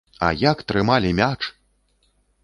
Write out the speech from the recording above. А як трымалі мяч!